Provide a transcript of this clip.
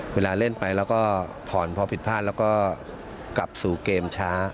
เวลาเล่นไปแล้วก็ผ่อนพอผิดพลาดแล้วก็กลับสู่เกมช้า